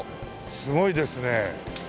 すごいですね。